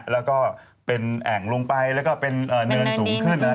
แล้วก็เป็นแอ่งลงไปแล้วก็เป็นเนินสูงขึ้นนะฮะเป็นเนินดิน